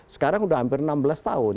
sekarang sudah hampir enam belas tahun